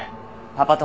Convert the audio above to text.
パパ友？